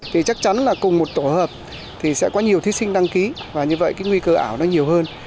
thì chắc chắn là cùng một tổ hợp thì sẽ có nhiều thí sinh đăng ký và như vậy cái nguy cơ ảo nó nhiều hơn